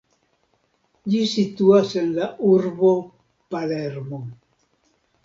Ĝi situas en la urbo Palermo.